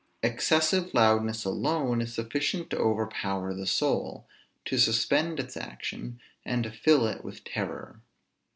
Excessive loudness alone is sufficient to overpower the soul, to suspend its action, and to fill it with terror.